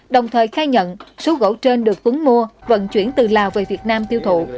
đồng thời khai nhận số gỗ trên được tuấn mua vận chuyển từ lào về việt nam tiêu thụ